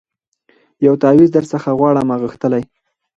یو تعویذ درڅخه غواړمه غښتلی